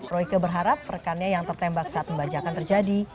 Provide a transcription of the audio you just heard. royke berharap rekannya yang tertembak saat pembajakan terjadi